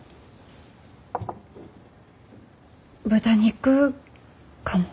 豚肉かも。